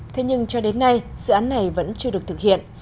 thế nhưng cho đến nay dự án này vẫn chưa được thực hiện